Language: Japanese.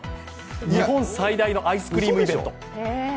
日本最大のアイスクリームイベント。